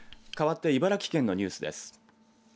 かわって茨城県のニュースです。